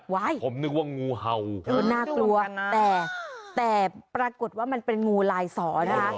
ผมนึกว่างูเห่าน่ากลัวแต่แต่ปรากฏว่ามันเป็นงูลายสอนะคะ